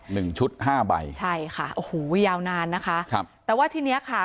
หนึ่งชุดห้าใบใช่ค่ะโอ้โหยาวนานนะคะครับแต่ว่าทีเนี้ยค่ะ